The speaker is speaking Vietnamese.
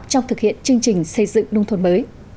trong thực hiện chương trình xây dựng nông thôn mới